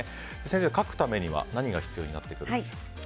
先生、描くためには何が必要になってくるんですか？